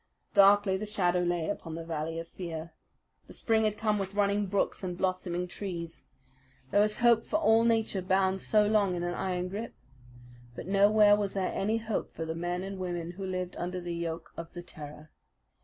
Darkly the shadow lay upon the Valley of Fear. The spring had come with running brooks and blossoming trees. There was hope for all Nature bound so long in an iron grip; but nowhere was there any hope for the men and women who lived under the yoke of the terror.